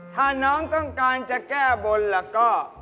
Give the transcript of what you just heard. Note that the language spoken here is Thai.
ถ้าน้องต้องการจะแก้บนล่ะก็